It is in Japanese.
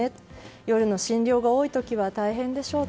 夜の診療が多い時は大変でしょう。